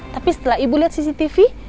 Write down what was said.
tapi setelah ibu lihat cctv